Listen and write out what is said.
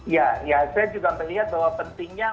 ya ya saya juga melihat bahwa pentingnya